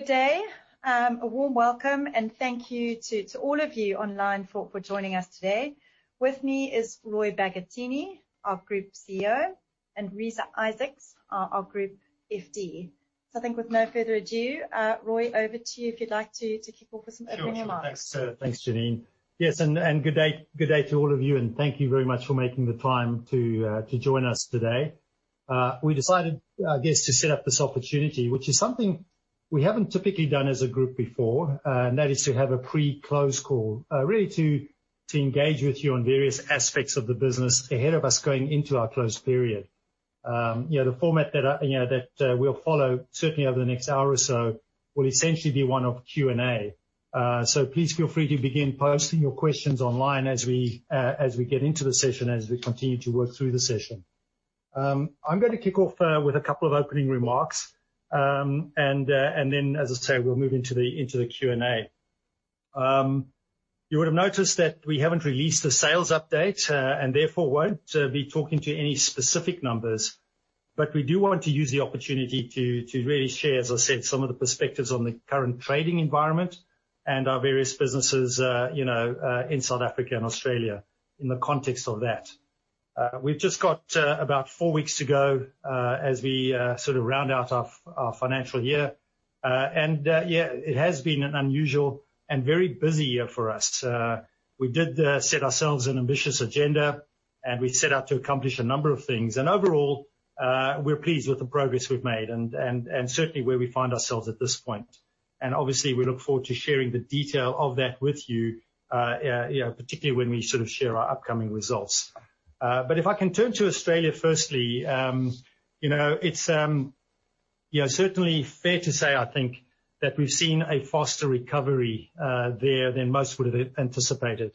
Good day. A warm welcome and thank you to all of you online for joining us today. With me is Roy Bagattini, our Group CEO, and Reeza Isaacs, our Group FD. I think with no further ado, Roy, over to you if you'd like to kick off with some opening remarks. Sure. Thanks, Janine. Yes, good day to all of you, and thank you very much for making the time to join us today. We decided, I guess, to set up this opportunity, which is something we haven't typically done as a group before, and that is to have a pre-close call, really to engage with you on various aspects of the business ahead of us going into our close period. The format that we'll follow certainly over the next hour or so will essentially be one of Q&A. Please feel free to begin posting your questions online as we get into the session, as we continue to work through the session. I'm going to kick off with a couple of opening remarks, and then, as I say, we'll move into the Q&A. You'll have noticed that we haven't released a sales update, therefore won't be talking to any specific numbers. We do want to use the opportunity to really share, as I said, some of the perspectives on the current trading environment and our various businesses in South Africa and Australia in the context of that. We've just got about four weeks to go as we round out our financial year. It has been an unusual and very busy year for us. We did set ourselves an ambitious agenda, and we set out to accomplish a number of things. Overall, we're pleased with the progress we've made and certainly where we find ourselves at this point. Obviously, we look forward to sharing the detail of that with you, particularly when we share our upcoming results. If I can turn to Australia firstly, it's certainly fair to say, I think, that we've seen a faster recovery there than most would have anticipated.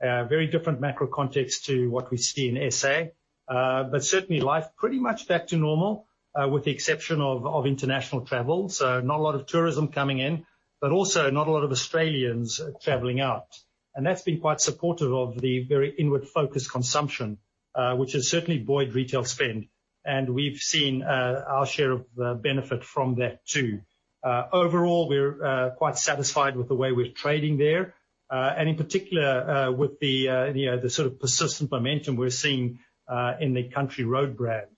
A very different macro context to what we see in SA, but certainly life pretty much back to normal with the exception of international travel. Not a lot of tourism coming in, but also not a lot of Australians traveling out. That's been quite supportive of the very inward-focused consumption, which has certainly buoyed retail spend. We've seen our share of benefit from that too. Overall, we're quite satisfied with the way we're trading there, and in particular, with the persistent momentum we're seeing in the Country Road brand,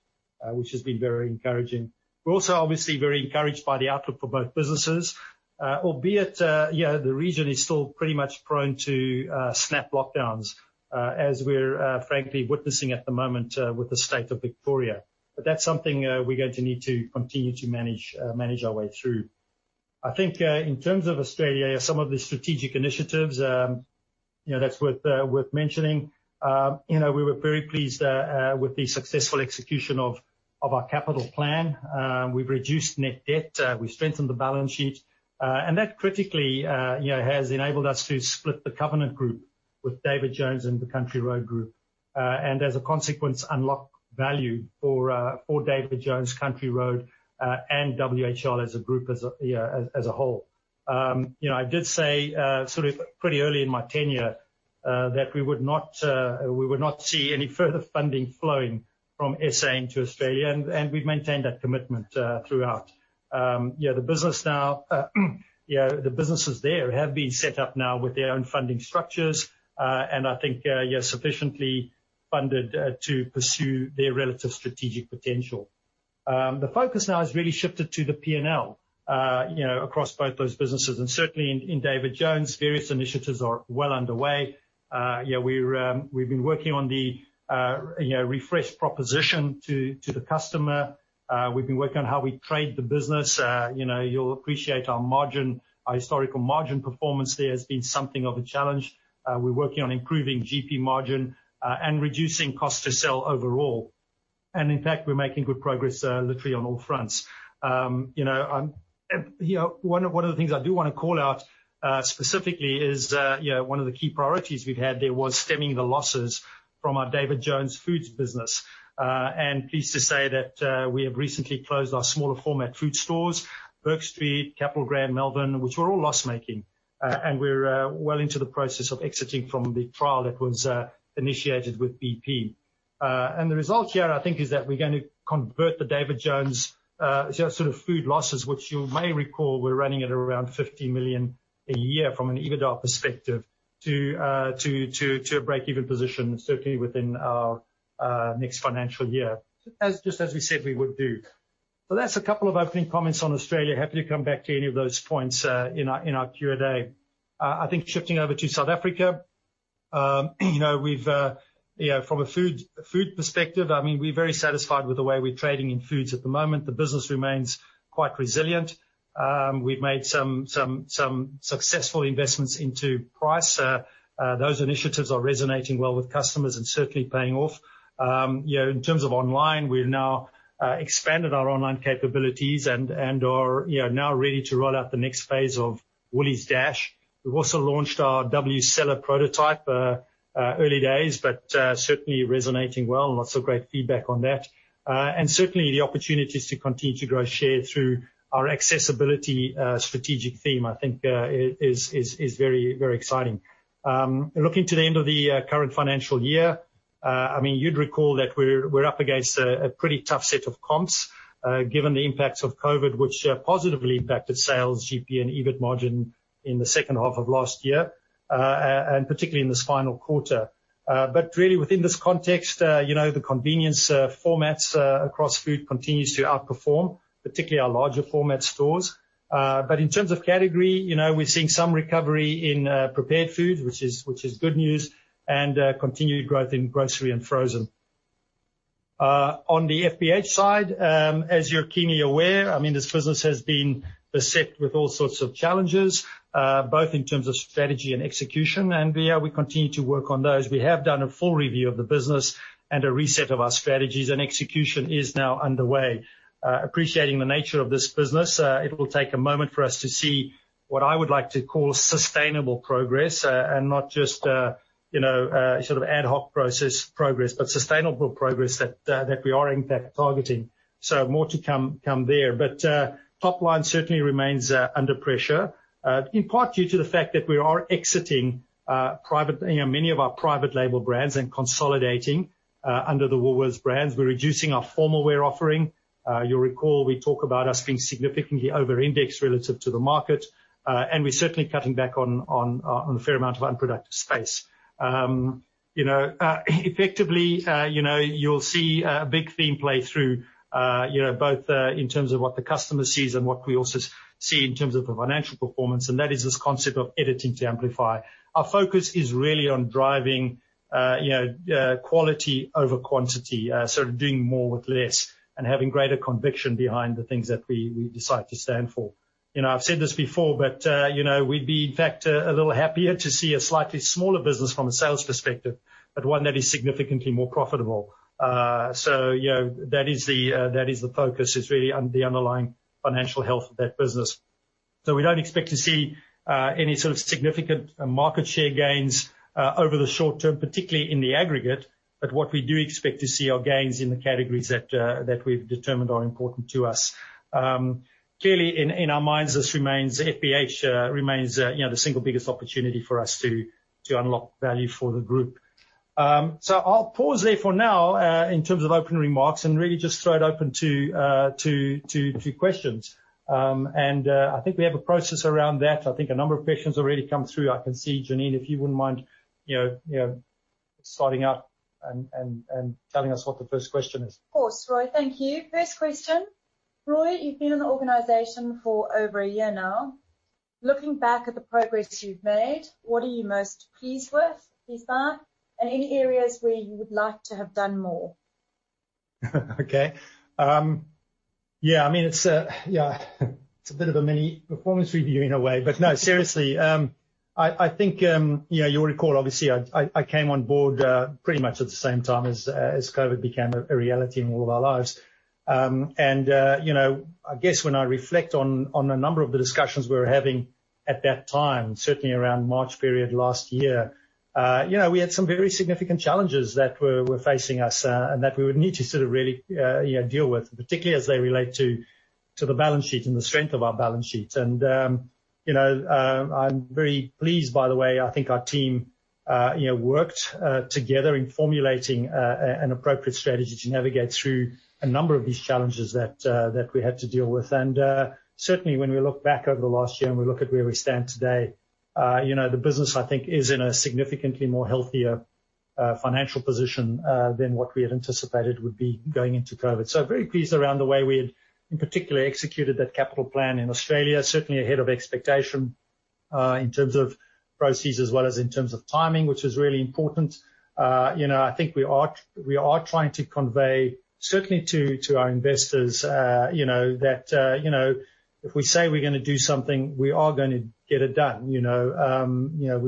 which has been very encouraging. We're also obviously very encouraged by the outlook for both businesses, albeit, the region is still pretty much prone to snap lockdowns as we're frankly witnessing at the moment with the state of Victoria. That's something we're going to need to continue to manage our way through. I think in terms of Australia, some of the strategic initiatives that's worth mentioning. We were very pleased with the successful execution of our capital plan. We've reduced net debt. We've strengthened the balance sheet. That critically has enabled us to split the covenant group with David Jones and the Country Road Group, and as a consequence, unlock value for David Jones, Country Road, and WHL as a group as a whole. I did say pretty early in my tenure that we would not see any further funding flowing from SA into Australia, and we've maintained that commitment throughout. The businesses there have been set up now with their own funding structures, and I think they are sufficiently funded to pursue their relative strategic potential. The focus now has really shifted to the P&L across both those businesses. Certainly, in David Jones, various initiatives are well underway. We've been working on the refreshed proposition to the customer. We've been working on how we trade the business. You'll appreciate our historical margin performance there has been something of a challenge. We're working on improving GP margin and reducing cost to sell overall. In fact, we're making good progress literally on all fronts. One of the things I do want to call out specifically is one of the key priorities we've had there was stemming the losses from our David Jones Foods business. Pleased to say that we have recently closed our smaller format food stores, Bourke Street, Capitol Grand, Melbourne, which were all loss-making. We're well into the process of exiting from the trial that was initiated with BP. The result here, I think, is that we're going to convert the David Jones food losses, which you may recall were running at around 50 million a year from an EBITDA perspective, to a break-even position certainly within our next financial year, just as we said we would do. That's a couple of opening comments on Australia. Happy to come back to any of those points in our Q&A. I think shifting over to South Africa. From a food perspective, we're very satisfied with the way we're trading in foods at the moment. The business remains quite resilient. We've made some successful investments into price. Those initiatives are resonating well with customers and certainly paying off. In terms of online, we've now expanded our online capabilities and are now ready to roll out the next phase of Woolies Dash. We've also launched our W Cellar prototype, early days, but certainly resonating well and lots of great feedback on that. Certainly the opportunities to continue to grow share through our accessibility strategic theme I think is very exciting. Looking to the end of the current financial year. You'd recall that we're up against a pretty tough set of comps given the impacts of COVID, which positively impacted sales, GP, and EBIT margin in the second half of last year, and particularly in this final quarter. Really within this context, the convenience formats across food continues to outperform, particularly our larger format stores. In terms of category, we're seeing some recovery in prepared food, which is good news, and continued growth in grocery and frozen. On the FBH side, as you're keenly aware, this business has been beset with all sorts of challenges, both in terms of strategy and execution. There we continue to work on those. We have done a full review of the business and a reset of our strategies, and execution is now underway. Appreciating the nature of this business, it will take a moment for us to see what I would like to call sustainable progress, and not just ad hoc process progress, but sustainable progress that we are in fact targeting. More to come there. Top line certainly remains under pressure, in part due to the fact that we are exiting many of our private label brands and consolidating under the Woolworths brands. We're reducing our formal wear offering. You'll recall we talked about us being significantly over-indexed relative to the market, and we're certainly cutting back on a fair amount of unproductive space. Effectively, you'll see a big theme play through both in terms of what the customer sees and what we also see in terms of the financial performance, and that is this concept of editing to amplify. Our focus is really on driving quality over quantity, sort of doing more with less and having greater conviction behind the things that we decide to stand for. I've said this before, but we'd be in fact a little happier to see a slightly smaller business from a sales perspective, but one that is significantly more profitable. That is the focus is really on the underlying financial health of that business. We don't expect to see any sort of significant market share gains over the short term, particularly in the aggregate. What we do expect to see are gains in the categories that we've determined are important to us. Clearly, in our minds, FBH remains the single biggest opportunity for us to unlock value for the group. I'll pause there for now in terms of opening remarks and really just throw it open to questions. I think we have a process around that. I think a number of questions have already come through. I can see Janine, if you wouldn't mind starting up and telling us what the first question is. Of course, Roy. Thank you. First question. Roy, you've been in the organization for over a year now. Looking back at the progress you've made, what are you most pleased with so far? Any areas where you would like to have done more? Okay. Yeah, it's a bit of a mini performance review in a way, but no, seriously. I think you'll recall, obviously, I came on board pretty much at the same time as COVID became a reality in all of our lives. I guess when I reflect on the number of discussions we were having at that time, certainly around March period last year, we had some very significant challenges that were facing us and that we would need to sort of really deal with, particularly as they relate to the balance sheet and the strength of our balance sheet. I'm very pleased, by the way, I think our team worked together in formulating an appropriate strategy to navigate through a number of these challenges that we had to deal with. Certainly, when we look back over the last year and we look at where we stand today, the business I think, is in a significantly more healthier financial position than what we had anticipated would be going into COVID. Very pleased around the way we've, in particular, executed that capital plan in Australia, certainly ahead of expectation in terms of proceeds as well as in terms of timing, which is really important. I think we are trying to convey certainly to our investors that if we say we're going to do something, we are going to get it done. We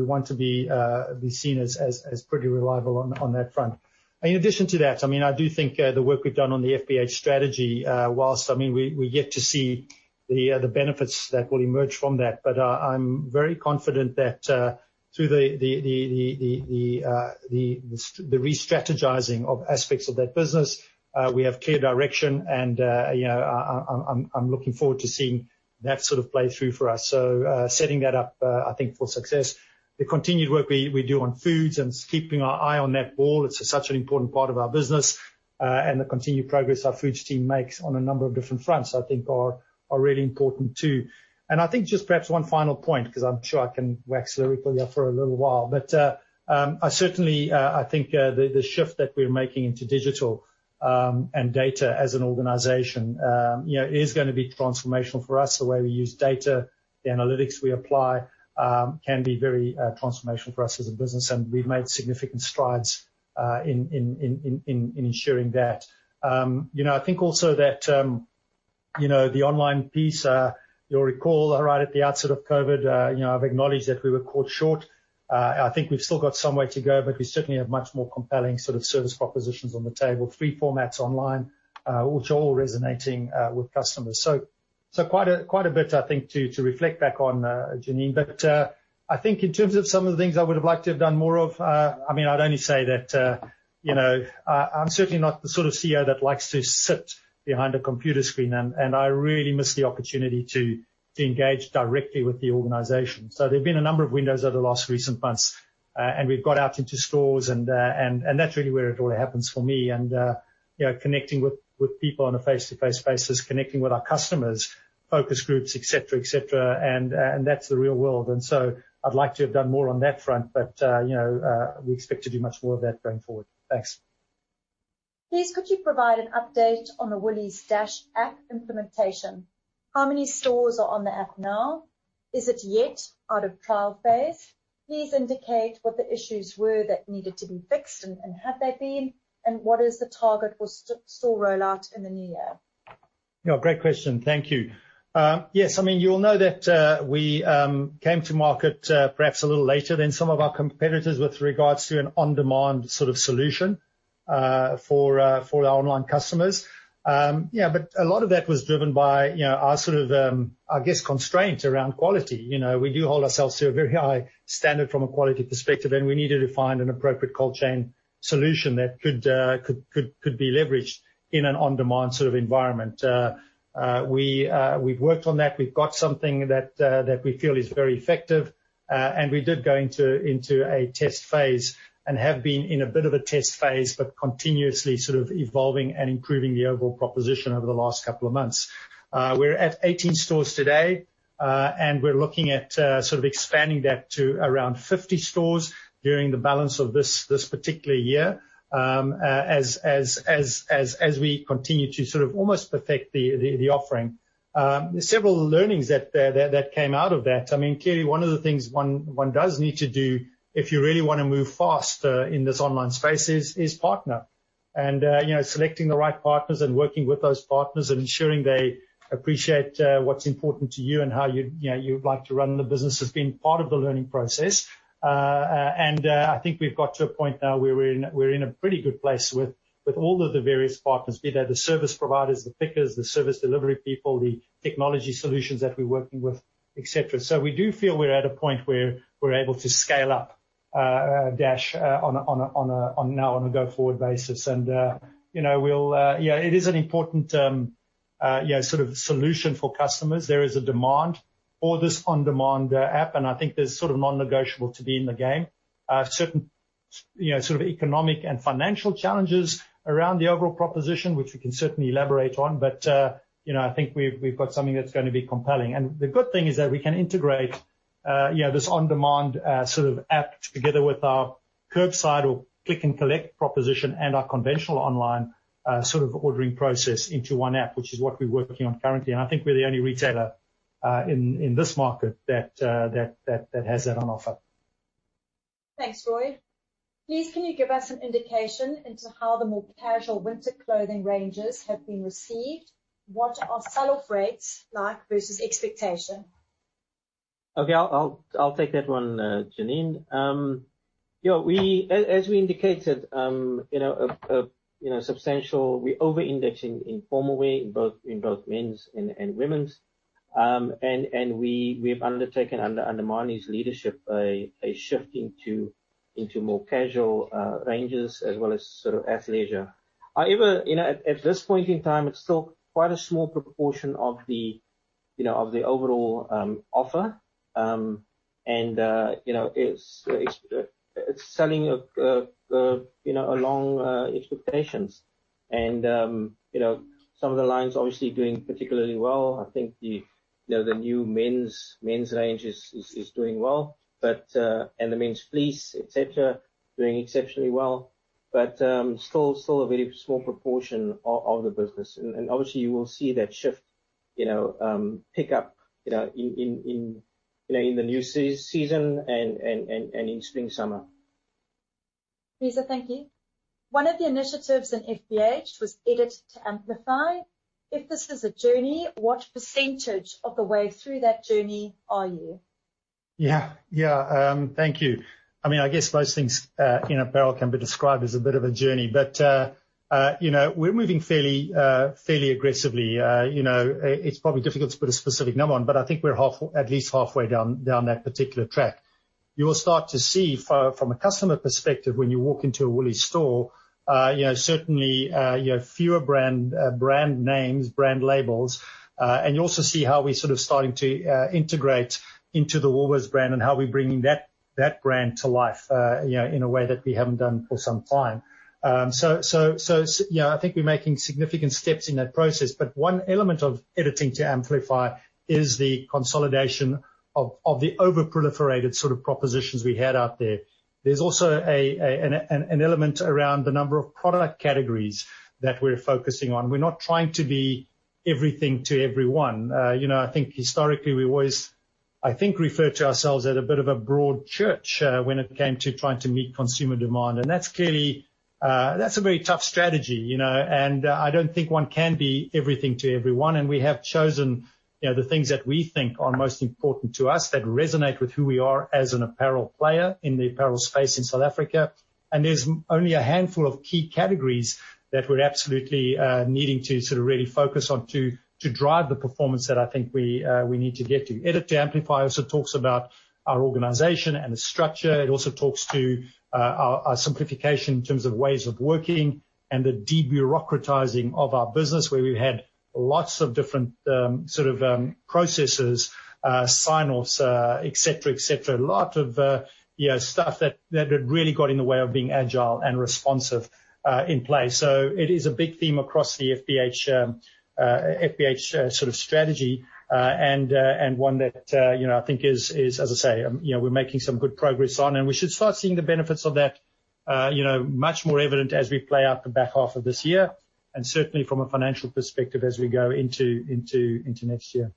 want to be seen as pretty reliable on that front. In addition to that, I do think the work we've done on the FBH strategy, whilst we're yet to see the benefits that will emerge from that, but I'm very confident that through the re-strategizing of aspects of that business, we have clear direction and I'm looking forward to seeing that sort of play through for us. Setting that up I think for success. The continued work we do on foods and keeping our eye on that ball, it's such an important part of our business. The continued progress our foods team makes on a number of different fronts I think are really important too. I think just perhaps one final point, because I'm sure I can wax lyrical for a little while, but certainly I think the shift that we're making into digital and data as an organization is going to be transformational for us. The way we use data, the analytics we apply can be very transformational for us as a business, and we've made significant strides in ensuring that. I think also that the online piece, you'll recall right at the outset of COVID, I've acknowledged that we were caught short. I think we've still got some way to go, but we certainly have much more compelling sort of service propositions on the table, three formats online, which are all resonating with customers. Quite a bit I think to reflect back on, Janine. I think in terms of some of the things I would have liked to have done more of, I'd only say that I'm certainly not the sort of CEO that likes to sit behind a computer screen, and I really miss the opportunity to engage directly with the organization. There've been a number of windows over the last recent months and we've got out into stores, and that's really where it all happens for me and connecting with people on a face-to-face basis, connecting with our customers, focus groups, et cetera. That's the real world. I'd like to have done more on that front, but we expect to do much more of that going forward. Thanks. Please could you provide an update on the Woolies Dash app implementation? How many stores are on the app now? Is it yet out of trial phase? Please indicate what the issues were that needed to be fixed, and have they been, and what is the target for store rollout in the near future? Yeah. Great question. Thank you. Yes, you'll know that we came to market perhaps a little later than some of our competitors with regards to an on-demand sort of solution for our online customers. A lot of that was driven by our sort of, I guess, constraints around quality. We do hold ourselves to a very high standard from a quality perspective, and we needed to find an appropriate cold chain solution that could be leveraged in an on-demand sort of environment. We've worked on that. We've got something that we feel is very effective. We did go into a test phase and have been in a bit of a test phase but continuously sort of evolving and improving the overall proposition over the last couple of months. We're at 18 stores today, and we're looking at sort of expanding that to around 50 stores during the balance of this particular year as we continue to sort of almost perfect the offering. There's several learnings that came out of that. Clearly, one of the things one does need to do if you really want to move faster in this online space is partner. Selecting the right partners and working with those partners and ensuring they appreciate what's important to you and how you like to run the business has been part of the learning process. I think we've got to a point now where we're in a pretty good place with all of the various partners, be they the service providers, the pickers, the service delivery people, the technology solutions that we're working with, et cetera. We do feel we're at a point where we're able to scale up Dash now on a go-forward basis. It is an important sort of solution for customers. There is a demand for this on-demand app, and I think that's sort of non-negotiable to be in the game. Certain sort of economic and financial challenges around the overall proposition, which we can certainly elaborate on, but I think we've got something that's going to be compelling. The good thing is that we can integrate this on-demand sort of app together with our curbside or click and collect proposition and our conventional online sort of ordering process into one app, which is what we're working on currently. I think we're the only retailer in this market that has that on offer. Thanks, Roy. Please can you give us an indication into how the more casual winter clothing ranges have been received? What are sell-through rates like versus expectation? Okay. I'll take that one, Janine. As we indicated, substantial, we over-indexed in formalwear in both men's and women's. We've undertaken under Manie's leadership a shift into more casual ranges as well as sort of athleisure. However, at this point in time, it's still quite a small proportion of the overall offer. It's selling along expectations. Some of the lines obviously doing particularly well. I think the new men's range is doing well. The men's fleece, et cetera, doing exceptionally well. Still a very small proportion of the business. Obviously, you will see that shift pick up in the new season and in spring/summer. Reeza, thank you. One of the initiatives in FBH was Edit to Amplify. If this was a journey, what percentage of the way through that journey are you? Yeah. Thank you. I guess most things in apparel can be described as a bit of a journey. We're moving fairly aggressively. It's probably difficult to put a specific number on, but I think we're at least halfway down that particular track. You'll start to see from a customer perspective when you walk into a Woolies store, certainly fewer brand names, brand labels. You also see how we're sort of starting to integrate into the Woolies brand and how we're bringing that brand to life, in a way that we haven't done for some time. I think we're making significant steps in that process. One element of editing to amplify is the consolidation of the over-proliferated sort of propositions we had out there. There's also an element around the number of product categories that we're focusing on. We're not trying to be everything to everyone. I think historically we always referred to ourselves as a bit of a broad church when it came to trying to meet consumer demand. That's a very tough strategy. I don't think one can be everything to everyone. We have chosen the things that we think are most important to us, that resonate with who we are as an apparel player in the apparel space in South Africa. There's only a handful of key categories that we're absolutely needing to sort of really focus on to drive the performance that I think we need to get to editing to amplify also talks about our organization and the structure. It also talks to our simplification in terms of ways of working and the de-bureaucratizing of our business, where we had lots of different sort of processes, sign-offs, et cetera. A lot of stuff that had really got in the way of being agile and responsive in play. It is a big theme across the FBH sort of strategy, and one that I think is, as I say, we're making some good progress on, and we should start seeing the benefits of that much more evident as we play out the back half of this year, and certainly from a financial perspective as we go into next year.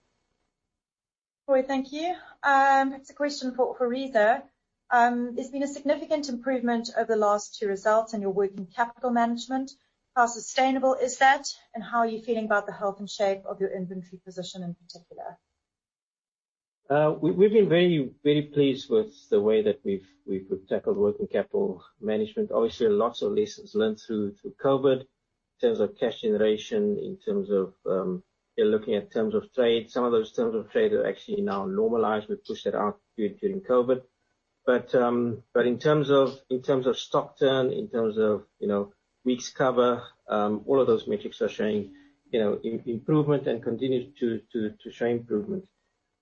Roy, thank you. It's a question for Reeza. There's been a significant improvement over the last two results in your working capital management. How sustainable is that, and how are you feeling about the health and shape of your inventory position in particular? We've been very pleased with the way that we've tackled working capital management. Obviously, lots of lessons learned through COVID in terms of cash generation, in terms of looking at terms of trade. Some of those terms of trade are actually now normalized. We pushed it out during COVID. In terms of stock turn, in terms of weeks cover, all of those metrics are showing improvement and continue to show improvement.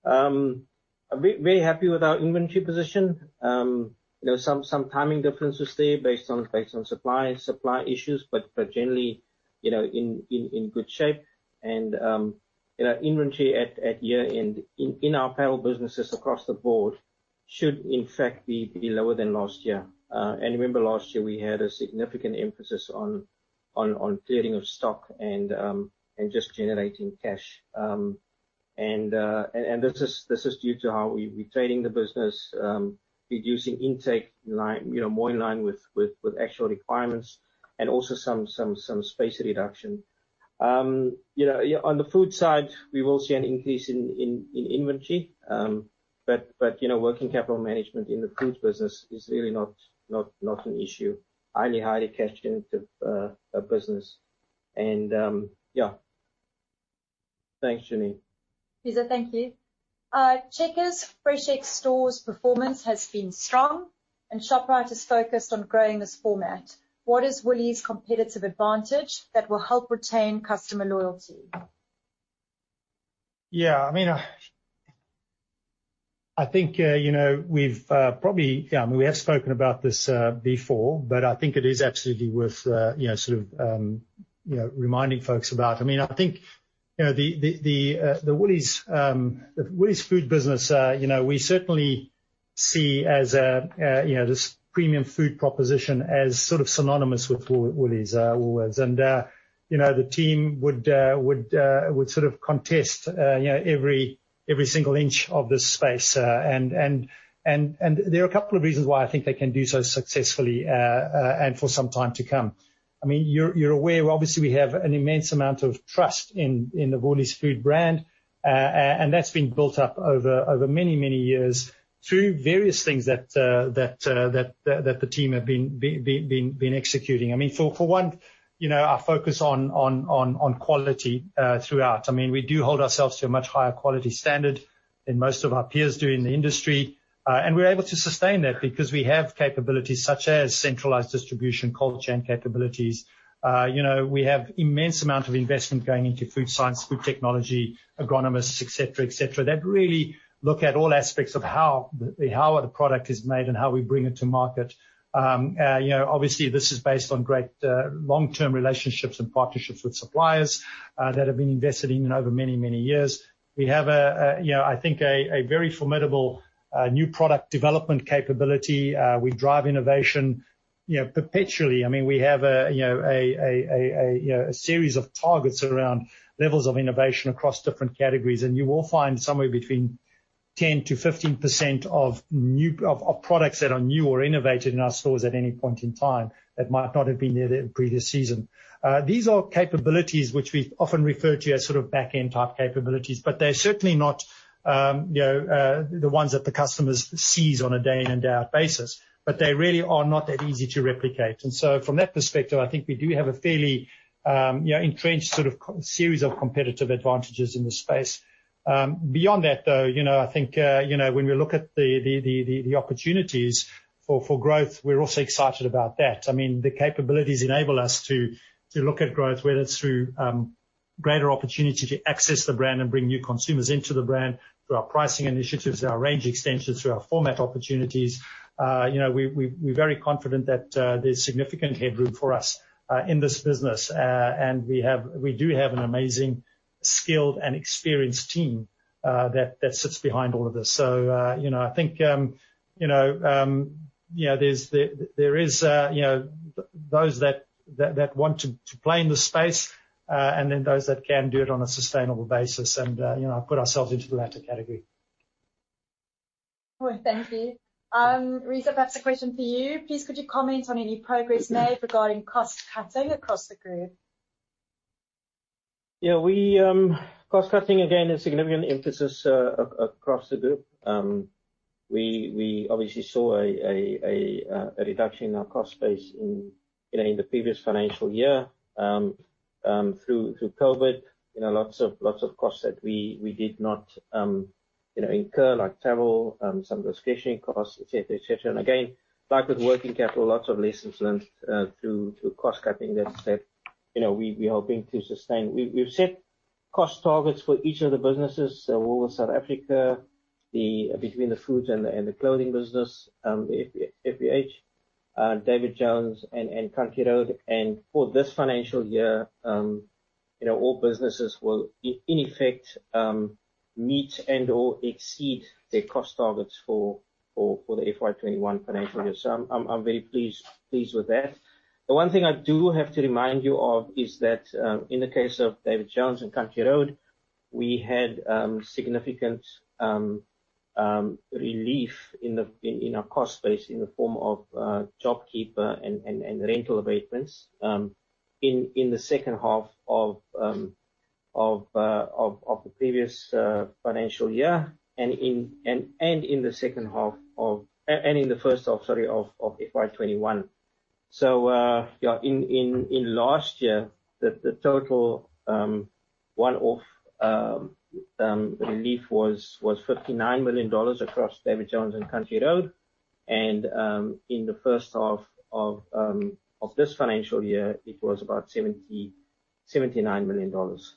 Very happy with our inventory position. Some timing differences there based on supply issues, but generally in good shape. Inventory at year-end in our apparel businesses across the board should in fact be lower than last year. Remember last year, we had a significant emphasis on clearing of stock and just generating cash. This is due to how we've been trading the business, reducing intake more in line with actual requirements and also some space reduction. On the food side, we will see an increase in inventory. Working capital management in the food business is really not an issue. Highly cash generative business. Yeah. Thanks, Janine. Reeza, thank you. Checkers FreshX stores performance has been strong. Shoprite is focused on growing this format. What is Woolies' competitive advantage that will help retain customer loyalty? Yeah. We have spoken about this before, I think it is absolutely worth reminding folks about. The Woolies food business we certainly see as this premium food proposition as sort of synonymous with Woolies always. The team would contest every single inch of this space. There are a couple of reasons why I think they can do so successfully and for some time to come. You're aware, obviously, we have an immense amount of trust in the Woolies food brand. That's been built up over many, many years through various things that the team have been executing. For one, our focus on quality throughout. We do hold ourselves to a much higher quality standard than most of our peers do in the industry. We're able to sustain that because we have capabilities such as centralized distribution, cold chain capabilities. We have immense amount of investment going into food science, food technology, agronomists, et cetera, et cetera, that really look at all aspects of how a product is made and how we bring it to market. Obviously, this is based on great long-term relationships and partnerships with suppliers that have been invested in over many, many years. We have I think a very formidable new product development capability. We drive innovation perpetually. We have a series of targets around levels of innovation across different categories. You will find somewhere between 10%-15% of products that are new or innovative in our stores at any point in time that might not have been there the previous season. These are capabilities which we often refer to as sort of back-end type capabilities, but they're certainly not the ones that the customers seize on a day-in and day-out basis, but they really are not that easy to replicate. From that perspective, I think we do have a fairly entrenched sort of series of competitive advantages in the space. Beyond that, though, I think when we look at the opportunities for growth, we're also excited about that. The capabilities enable us to look at growth, whether it's through greater opportunity to access the brand and bring new consumers into the brand, through our pricing initiatives, through our range extensions, through our format opportunities. We're very confident that there's significant headroom for us in this business. We do have an amazing skilled and experienced team that sits behind all of this. I think those that want to play in the space and then those that can do it on a sustainable basis and put ourselves into the latter category. Roy, thank you. Reeza, back to a question for you. Please could you comment on any progress made regarding cost cutting across the group? Yeah. Cost-cutting, again, is a significant emphasis across the group. We obviously saw a reduction in our cost base in the previous financial year through COVID. Lots of costs that we did not incur, like travel, some restriction costs, et cetera, et cetera. Again, back with working capital, lots of lessons learned through cost cutting that we are hoping to sustain. We've set cost targets for each of the businesses, so Woolworths South Africa, between the food and the clothing business, FBH, David Jones, and Country Road. For this financial year All businesses will in effect meet and/or exceed their cost targets for the FY 2021 financial year. I'm very pleased with that. The one thing I do have to remind you of is that in the case of David Jones and Country Road, we had significant relief in our cost base in the form of JobKeeper and rental abatements in the second half of the previous financial year and in the first half of FY 2021. In last year, the total relief was 59 million dollars across David Jones and Country Road and in the first half of this financial year, it was about 79 million dollars.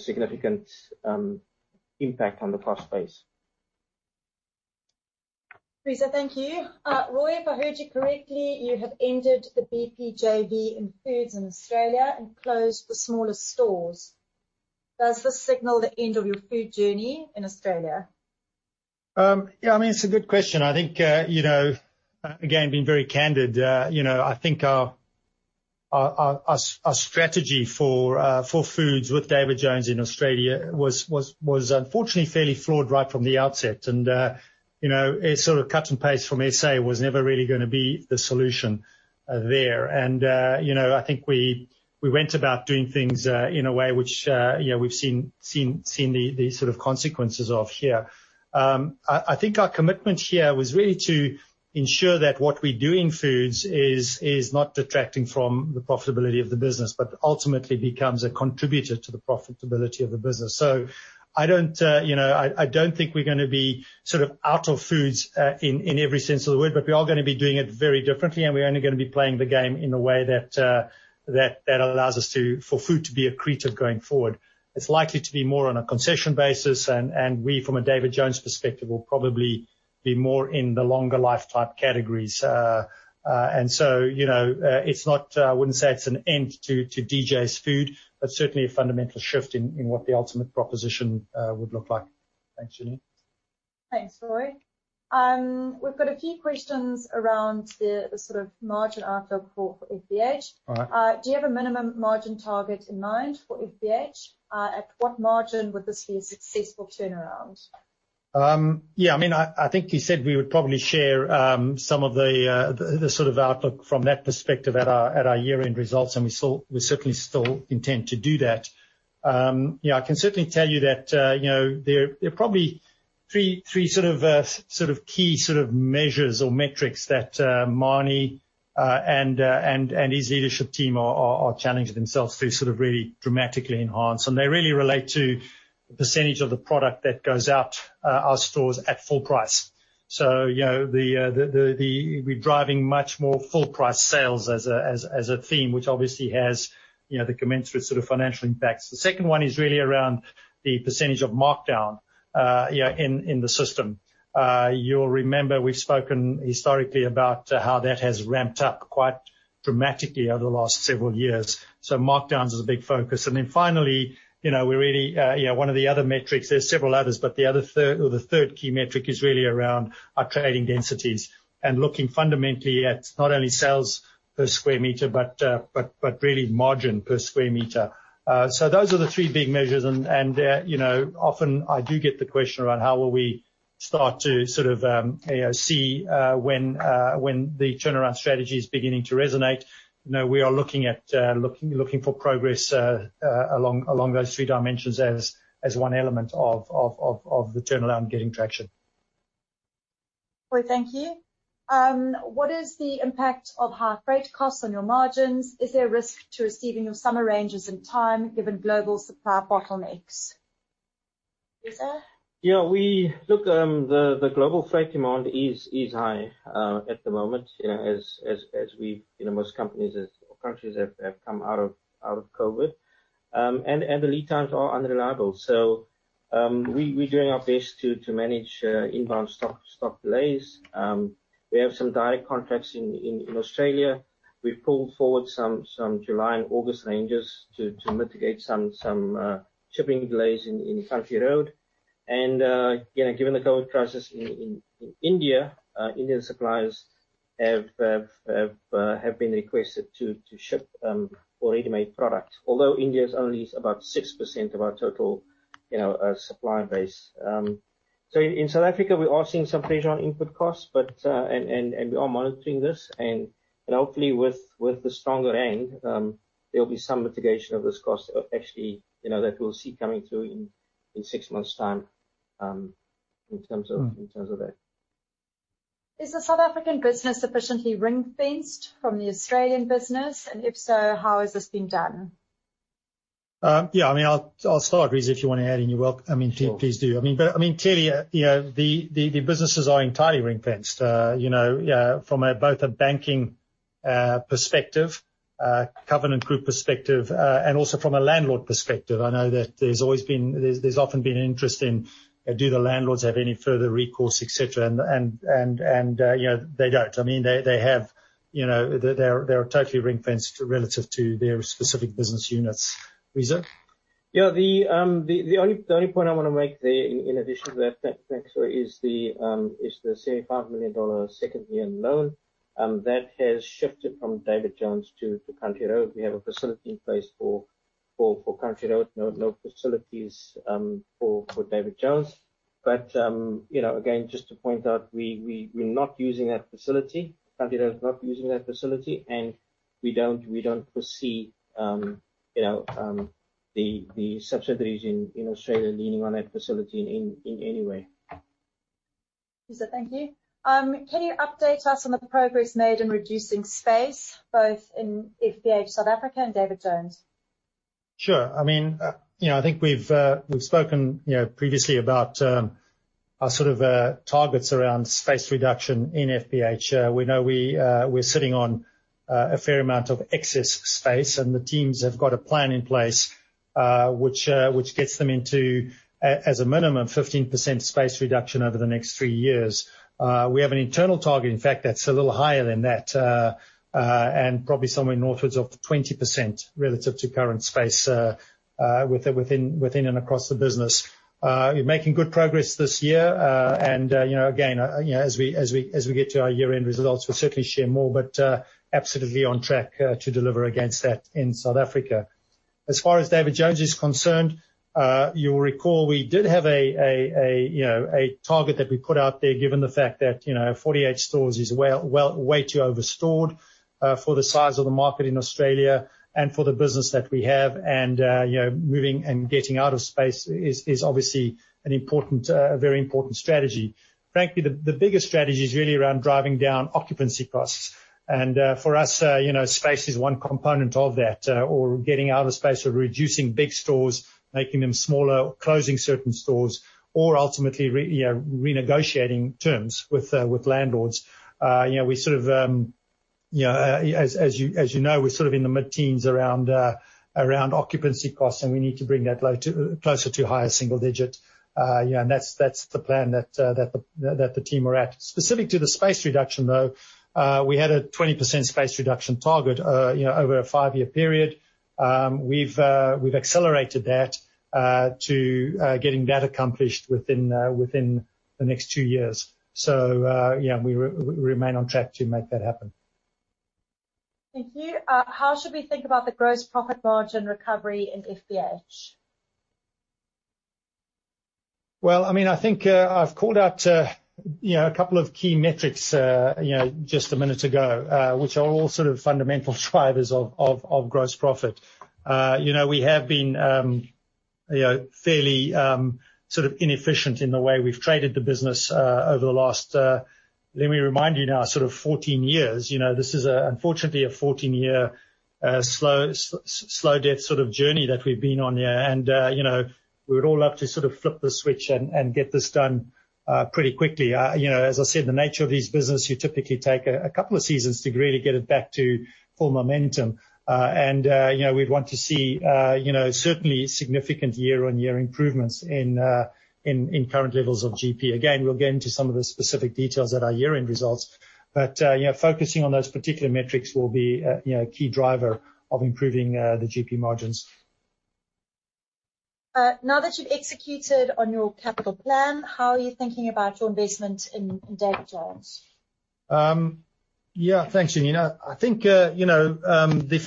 Significant impact on the cost base. Reeza, thank you. Roy, if I heard you correctly, you have ended the BP JV in Foods in Australia and closed the smaller stores. Does this signal the end of your food journey in Australia? Yeah, it's a good question. I think, again, being very candid I think our strategy for Foods with David Jones in Australia was unfortunately fairly flawed right from the outset. Sort of cut and paste from SA was never really going to be the solution there. I think we went about doing things in a way which we've seen the sort of consequences of here. I think our commitment here was really to ensure that what we do in Foods is not detracting from the profitability of the business, but ultimately becomes a contributor to the profitability of the business. I don't think we're going to be sort of out of Food in every sense of the word, but we are going to be doing it very differently, and we're only going to be playing the game in a way that allows for Food to be accretive going forward. It's likely to be more on a concession basis, and we, from a David Jones perspective, will probably be more in the longer lifetime categories. I wouldn't say it's an end to DJ's Food, but certainly a fundamental shift in what the ultimate proposition would look like. Thanks, Janine. Thanks, Roy. We've got a few questions around the sort of margin outlook for FBH. All right. Do you have a minimum margin target in mind for FBH? At what margin would this be a successful turnaround? Yeah, I think you said we would probably share some of the sort of outlook from that perspective at our year-end results, and we certainly still intend to do that. I can certainly tell you that there are probably three sorts of key measures or metrics that Manie Maritz and his leadership team are challenging themselves to sort of really dramatically enhance. They really relate to the percent of the product that goes out our stores at full price. We're driving much more full price sales as a theme, which obviously has the commensurate sort of financial impacts. The second one is really around the percent of markdown in the system. You'll remember we've spoken historically about how that has ramped up quite dramatically over the last several years. Markdown's a big focus. Then finally, one of the other metrics, there's several others, but the third key metric is really around our trading densities and looking fundamentally at not only sales per square meter but really margin per square meter. Those are the three big measures, and often I do get the question around how will we start to sort of see when the turnaround strategy is beginning to resonate. We are looking for progress along those three dimensions as one element of the turnaround getting traction. Roy, thank you. What is the impact of higher freight costs on your margins? Is there a risk to receiving your summer ranges in time given global supply bottlenecks? Reeza? Look, the global freight demand is high at the moment as most countries have come out of COVID. The lead times are unreliable. We're doing our best to manage inbound stock delays. We have some direct contracts in Australia. We've pulled forward some July and August ranges to mitigate some shipping delays in Country Road. Given the current crisis in India, Indian suppliers have been requested to ship all ready-made products. Although India is only about 6% of our total supply base. In South Africa, we are seeing some pressure on input costs, and we are monitoring this, and hopefully with the stronger rand, there'll be some mitigation of this cost actually that we'll see coming through in six months' time in terms of that. Is the South African business sufficiently ring-fenced from the Australian business? If so, how has this been done? Yeah, I'll start, Reeza. If you want to add anywhere, please do. Sure. Clearly, the businesses are entirely ring-fenced from both a banking perspective, a covenant group perspective, and also from a landlord perspective. I know that there's often been interest in do the landlords have any further recourse, et cetera, and they don't. They're totally ring-fenced relative to their specific business units. Reeza? Yeah. The only point I want to make there in addition to that, thanks, is the 35 million dollar second lien loan that has shifted from David Jones to Country Road. We have a facility in place for Country Road. No facilities for David Jones. Again, just to point out, we're not using that facility. Country Road's not using that facility, and we don't foresee the subsidiaries in Australia leaning on that facility in any way. Thank you. Can you update us on the progress made in reducing space, both in FBH South Africa and David Jones? Sure. I think we've spoken previously about our targets around space reduction in FBH. We know we're sitting on a fair amount of excess space, and the teams have got a plan in place which gets them into, as a minimum, 15% space reduction over the next three years. We have an internal target, in fact, that's a little higher than that and probably somewhere in upwards of 20% relative to current space within and across the business. We're making good progress this year and again, as we get to our year-end results, we'll certainly share more, but absolutely on track to deliver against that in South Africa. As far as David Jones is concerned, you'll recall we did have a target that we put out there given the fact that 48 stores is way too overstored for the size of the market in Australia and for the business that we have and getting out of space is obviously a very important strategy. Frankly, the biggest strategy is really around driving down occupancy costs. For us, space is one component of that. Getting out of space or reducing big stores, making them smaller, closing certain stores, or ultimately renegotiating terms with landlords. As you know, we're in the mid-teens around occupancy costs, and we need to bring that closer to higher single digits. That's the plan that the team are at. Specific to the space reduction, though, we had a 20% space reduction target over a five-year period. We've accelerated that to getting that accomplished within the next two years. Yeah, we remain on track to make that happen. Thank you. How should we think about the gross profit margin recovery in FBH? I think I've called out a couple of key metrics just a minute ago, which are all fundamental drivers of gross profit. We have been fairly inefficient in the way we've traded the business over the last, let me remind you now, 14 years. This is, unfortunately, a 14-year slow death journey that we've been on here, and we'd all love to flip the switch and get this done pretty quickly. As I said, the nature of these businesses, you typically take a couple of seasons to really get it back to full momentum. We'd want to see certainly significant year-on-year improvements in current levels of GP. Again, we'll get into some of the specific details at our year-end results. Focusing on those particular metrics will be a key driver of improving the GP margins. Now that you've executed on your capital plan, how are you thinking about your investment in David Jones? Yeah. Thanks, Janine. I think the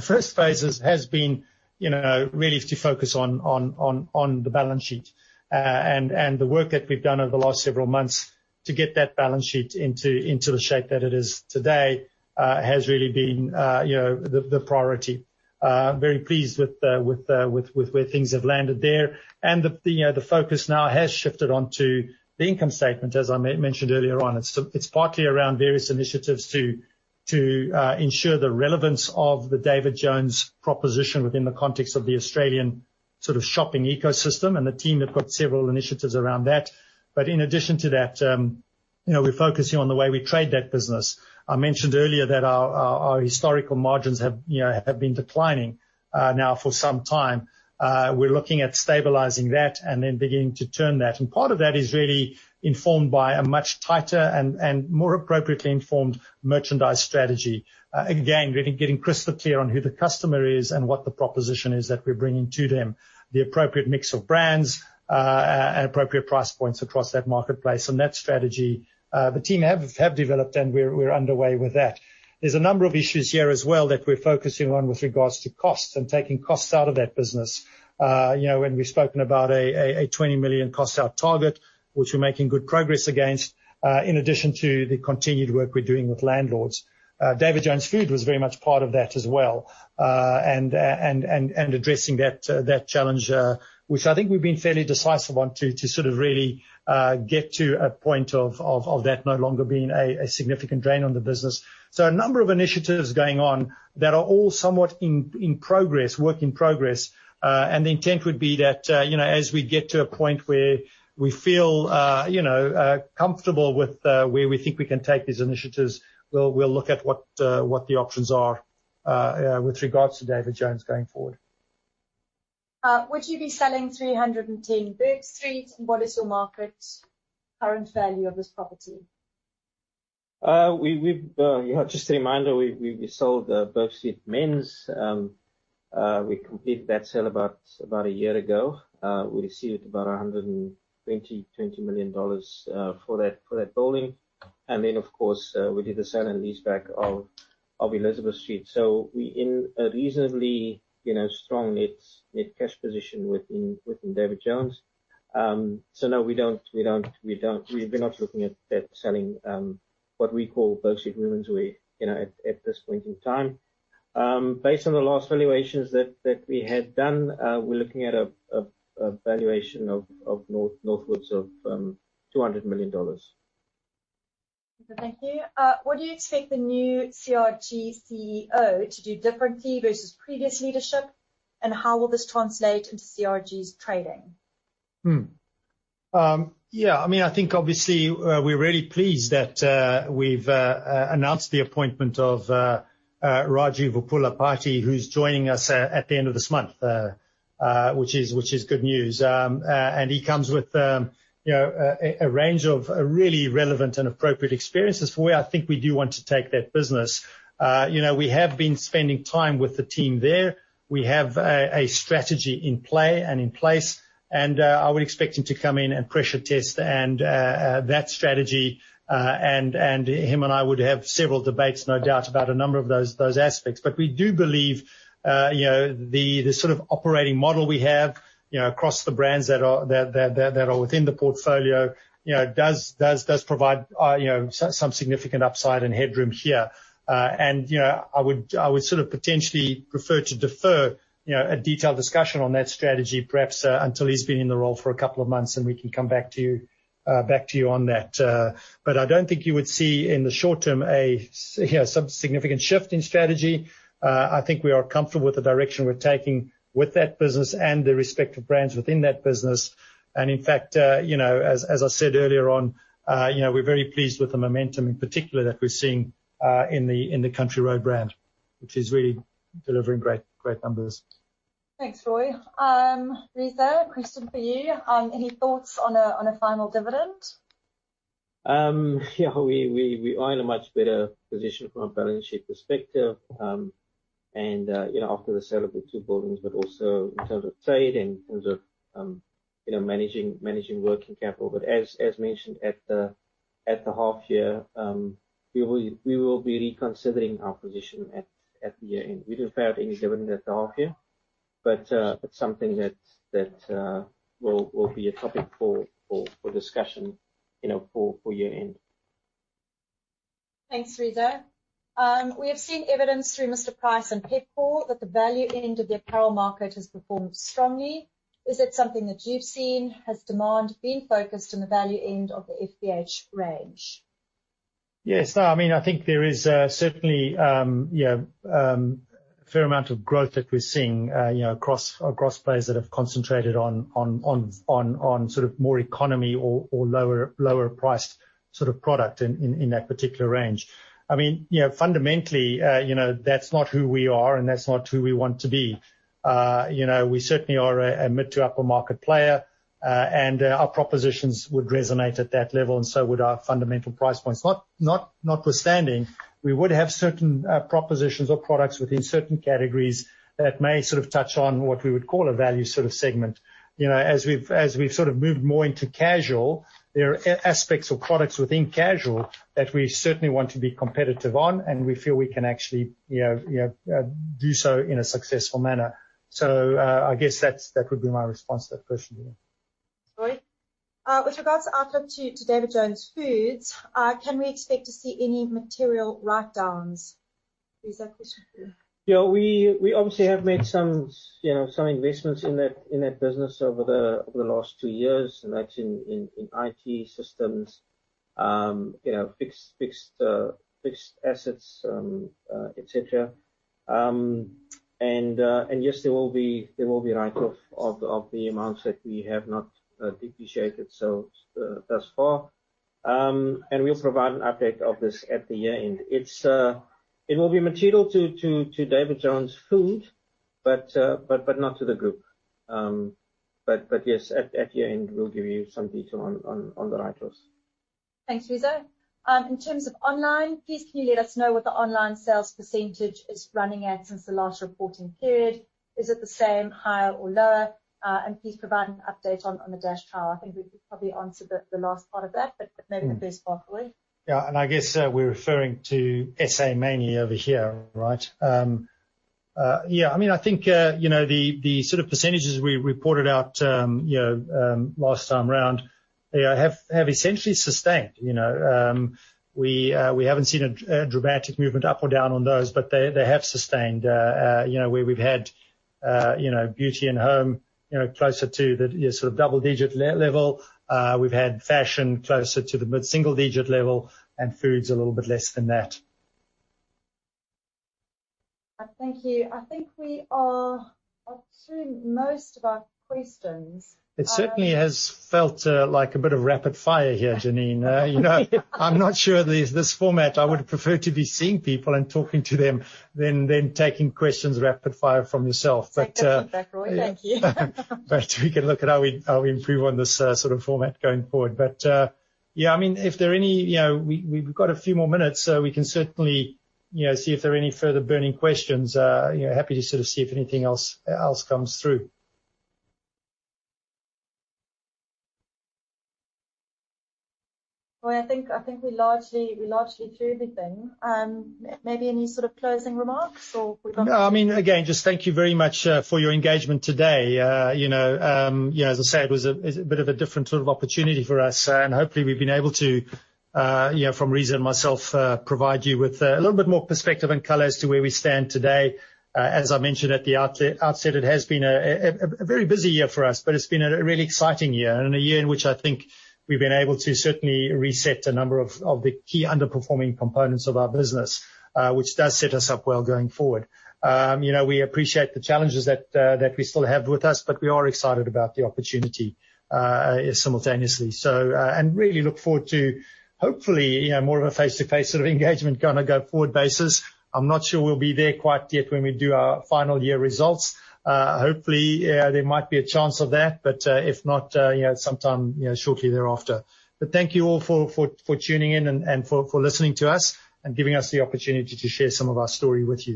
first phase has been really to focus on the balance sheet. The work that we've done over the last several months to get that balance sheet into the shape that it is today has really been the priority. I'm very pleased with where things have landed there. The focus now has shifted onto the income statement, as I mentioned earlier on. It's partly around various initiatives to ensure the relevance of the David Jones proposition within the context of the Australian shopping ecosystem and the team have got several initiatives around that. In addition to that, we're focusing on the way we trade that business. I mentioned earlier that our historical margins have been declining now for some time. We're looking at stabilizing that and then beginning to turn that. Part of that is really informed by a much tighter and more appropriately informed merchandise strategy. Again, really getting crystal clear on who the customer is and what the proposition is that we're bringing to them. The appropriate mix of brands and appropriate price points across that marketplace and that strategy the team have developed, and we're underway with that. There's a number of issues here as well that we're focusing on with regards to costs and taking costs out of that business. We've spoken about 20 million cost out target, which we're making good progress against, in addition to the continued work we're doing with landlords. David Jones Foods was very much part of that as well and addressing that challenge, which I think we've been fairly decisive on to really get to a point of that no longer being a significant drain on the business. A number of initiatives going on that are all somewhat in progress, work in progress. The intent would be that as we get to a point where we feel comfortable with where we think we can take these initiatives, we'll look at what the options are with regards to David Jones going forward. Would you be selling 310 Bourke Street, and what is your market's current value of this property? You have to just remind, we sold the Bourke Street men's. We completed that sale about a year ago. We received about 120 million dollars for that building. Of course, we did the sale and leaseback of Elizabeth Street. We're in a reasonably strong net cash position within David Jones. No, we're not looking at selling, what we call Bourke Street womenswear, at this point in time. Based on the last valuations that we had done, we're looking at a valuation north of 200 million dollars. Thank you. What do you expect the new CRG CEO to do differently versus previous leadership, and how will this translate into CRG's trading? Yeah, I think obviously, we're really pleased that we've announced the appointment of Raju Vuppalapati, who's joining us at the end of this month, which is good news. He comes with a range of really relevant and appropriate experiences for where I think we do want to take that business. We have been spending time with the team there. We have a strategy in play and in place, and are expecting to come in and pressure test that strategy. Him and I would have several debates, no doubt, about a number of those aspects. We do believe the sort of operating model we have across the brands that are within the portfolio does provide some significant upside and headroom here. I would potentially prefer to defer a detailed discussion on that strategy perhaps until he's been in the role for a couple of months and we can come back to you on that. I don't think you would see in the short term some significant shift in strategy. I think we are comfortable with the direction we're taking with that business and the respective brands within that business. In fact, as I said earlier on, we're very pleased with the momentum in particular that we're seeing in the Country Road brand, which is really delivering great numbers. Thanks, Roy. Reeza, a question for you. Any thoughts on a final dividend? Yeah, we are in a much better position from a balance sheet perspective after the sale of the two buildings, but also in terms of trade and in terms of managing working capital. As mentioned at the half year, we will be reconsidering our position at the year-end. We didn't pay out any dividend at the half year, but it's something that will be a topic for discussion for year-end. Thanks, Reeza. We've seen evidence through Mr Price and Pick n Pay that the value end of the apparel market has performed strongly. Is that something that you've seen? Has demand been focused on the value end of the FBH range? Yes. I think there is certainly a fair amount of growth that we're seeing across players that have concentrated on more economy or lower priced sort of product in that particular range. Fundamentally, that's not who we are, and that's not who we want to be. We certainly are a mid to upper market player, and our propositions would resonate at that level, and so would our fundamental price points. Notwithstanding, we would have certain propositions or products within certain categories that may touch on what we would call a value segment. As we've moved more into casual, there are aspects of products within casual that we certainly want to be competitive on, and we feel we can actually do so in a successful manner. I guess that could be my response to that question, yeah. Roy. With regards to David Jones Foods, can we expect to see any material write-downs? Yeah, we obviously have made some investments in that business over the last two years. That's in IT systems, fixed assets, et cetera. Yes, there will be write-offs of the amounts that we have not depreciated so thus far. We'll provide an update of this at the year-end. It will be material to David Jones Foods, but not to the group. Yes, at year-end, we'll give you some detail on the write-offs. Thanks, Reeza. In terms of online, please can you let us know what the online sales percentage is running at since the last reporting period? Is it the same, higher or lower? Please provide an update on the Woolies Dash count. I think we could probably answer the last part of that, but maybe please, Roy. Yeah. I guess we're referring to SA mainly over here, right? Yeah. I think the sort of percentage we reported out last time around have essentially sustained. We haven't seen a dramatic movement up or down on those, but they have sustained. Where we've had Beauty and Home closer to the double-digit level. We've had Fashion closer to the mid-single digit level, and Foods a little bit less than that. Thank you. I think we are through most of our questions. It certainly has felt like a bit of rapid fire here, Janine. I'm not sure this format. I would have preferred to be seeing people and talking to them than taking questions rapid fire from yourself. Take that back away. Thank you. We can look at how we improve on this sort of format going forward. Yeah, we've got a few more minutes, so we can certainly see if there are any further burning questions. Happy to see if anything else comes through. I think we largely through everything. Maybe any sort of closing remarks? Again, just thank you very much for your engagement today. As I said, it was a bit of a different sort of opportunity for us, and hopefully, we've been able to, from Reeza and myself, provide you with a little bit more perspective and color as to where we stand today. As I mentioned at the outset, it has been a very busy year for us, but it's been a really exciting year and a year in which I think we've been able to certainly reset a number of the key underperforming components of our business, which does set us up well going forward. We appreciate the challenges that we still have with us, but we are excited about the opportunity simultaneously. Really look forward to, hopefully, more of a face-to-face sort of engagement on a go-forward basis. I'm not sure we'll be there quite yet when we do our final year results. Hopefully, there might be a chance of that, but if not, sometime shortly thereafter. Thank you all for tuning in and for listening to us and giving us the opportunity to share some of our story with you.